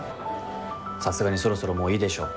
さすがにそろそろもういいでしょ。